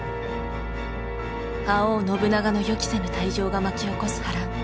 覇王信長の予期せぬ退場が巻き起こす波乱。